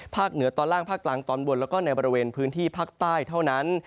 เหนือตอนล่างภาคกลางตอนบนแล้วก็ในบริเวณพื้นที่ภาคใต้เท่านั้น